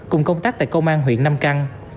cùng công tác tại công an huyện nam căng